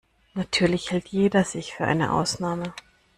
Natürlich hält jeder sich für eine Ausnahme.